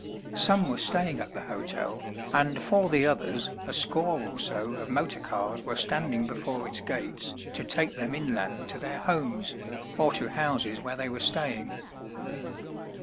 Some were staying at the hotel, and for the others a score or so of motor cars were standing before its gates to take them inland to their homes, or to houses where they were staying.